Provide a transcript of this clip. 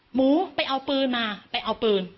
หมูไปเอาปืนมาไปเอาปืน